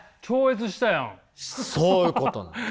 そういうことなんです。